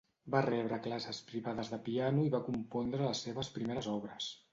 Va rebre classes privades de piano i va compondre les seves primeres obres.